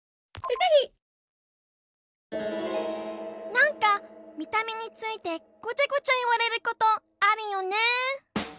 何か見た目についてごちゃごちゃ言われることあるよね。